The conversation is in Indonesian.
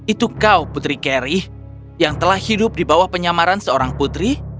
itu kau putri carry yang telah hidup di bawah penyamaran seorang putri